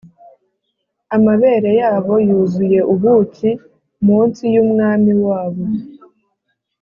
amabere yabo yuzuye ubuki, munsi yumwami wabo